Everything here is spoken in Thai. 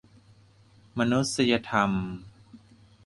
มนุษยธรรม ?